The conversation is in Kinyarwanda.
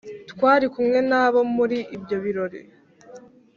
twari kumwe nabo muri ibyo birori.